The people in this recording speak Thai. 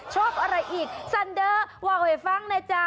ชอบอะไรอีกซันเดอร์ว่าวไปฟังนะจ๊ะ